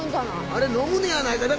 あれ飲むねやないかい。